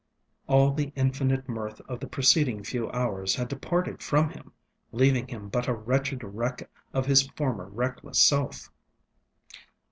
All the infinite mirth of the preceding few hours had departed from him, leaving him but a wretched wreck of his former reckless self.